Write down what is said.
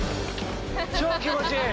超気持ちいい！